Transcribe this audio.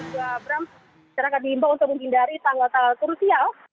juga bram secara kadimba untuk menghindari tanggal tanggal krusial